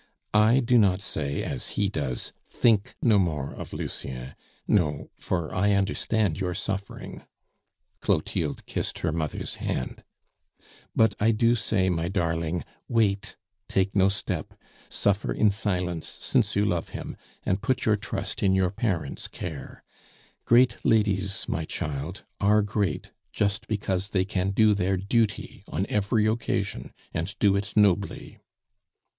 "I do not say as he does, 'Think no more of Lucien.' No for I understand your suffering" Clotilde kissed her mother's hand "but I do say, my darling, Wait, take no step, suffer in silence since you love him, and put your trust in your parents' care. Great ladies, my child, are great just because they can do their duty on every occasion, and do it nobly."